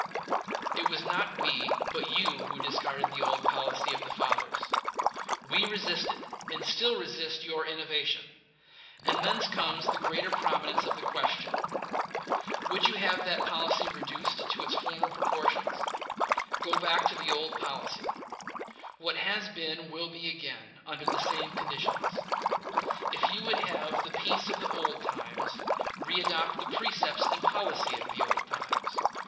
It was not we, but you, who discarded the old policy of the fathers. We resisted and still resist your innovation; and thence comes the greater prominence of the question. Would you have that question reduced to its former proportions? Go back to that old policy. What has been will be again, under the same conditions. If you would have the peace of the old times, readopt the precepts and policy of the old times.